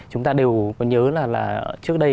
chúng ta đều nhớ là trước đây